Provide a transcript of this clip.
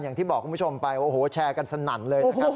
อย่างที่บอกคุณผู้ชมไปโอ้โหแชร์กันสนั่นเลยนะครับ